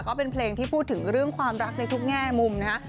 ก็เป็นเพลงที่พูดถึงเรื่องความรักในทุกแง่มุมนะฮะ